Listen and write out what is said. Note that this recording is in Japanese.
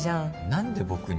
何で僕に。